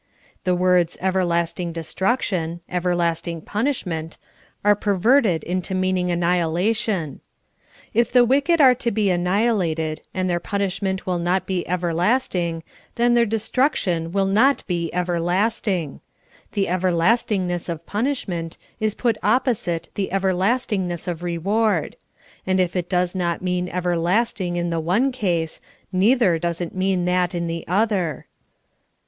The words "everlasting destruction," "everlasting punishment," are perverted into meaning annihilation. If the wicked are to be annihilated and their punishment will not be everlasting, then their de struction will not be '' everlasting. '' The everlasting ness of punishment is put opposite the everlastingness of reward ; and if it does not mean everlasting in the one case, neither does it mean that in the other.